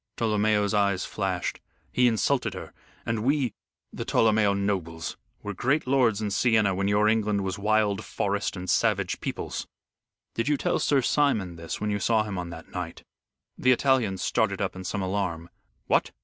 Tolomeo's eyes flashed. "He insulted her, and we the Tolomeo nobles were great lords in Siena when your England was wild forest and savage peoples." "Did you tell Sir Simon this when you saw him on that night?" The Italian started up in some alarm. "What?